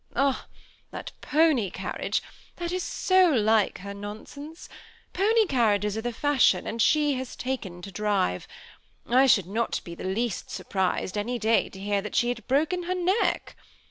"Ah! that pony carriage; that is*so like her non sense. Pony carriages are the fashion, and she has taken to drive. I should not be the least surprised any day to hear that she had broken her heck.